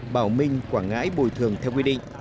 bảo minh quảng ngãi bồi thường theo quy định